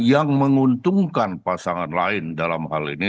yang menguntungkan pasangan lain dalam hal ini